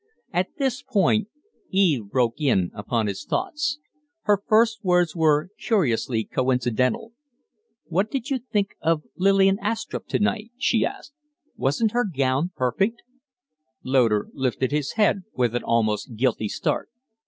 At this point Eve broke in upon his thoughts. Her first words were curiously coincidental. "What did you think of Lillian Astrupp to night?" she asked. "Wasn't her gown perfect?" Loder lifted his head with an almost guilty start.